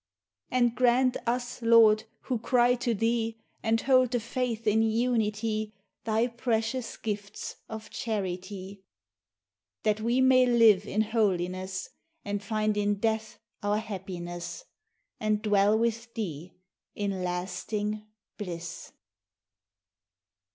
And grant us, Lord, who cry to thee, And hold the Faith in unity, Thy precious gifts of charity; That we may live in holiness, And find in death our happiness, And dwell with thee in lasting bliss!